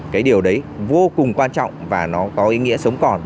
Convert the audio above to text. cái điều đấy vô cùng quan trọng và nó có ý nghĩa sống còn